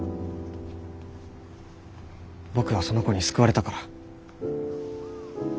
僕はその子に救われたから。